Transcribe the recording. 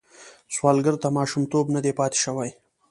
سوالګر ته ماشومتوب نه دی پاتې شوی